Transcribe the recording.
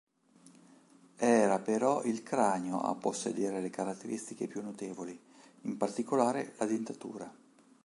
Era però il cranio a possedere le caratteristiche più notevoli, in particolare la dentatura.